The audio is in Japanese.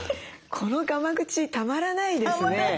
このがま口たまらないですね。